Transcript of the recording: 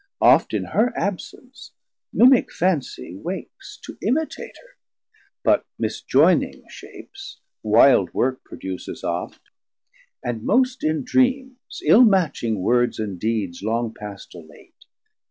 Oft in her absence mimic Fansie wakes 110 To imitate her; but misjoyning shapes, Wilde work produces oft, and most in dreams, Ill matching words and deeds long past or late.